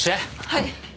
はい。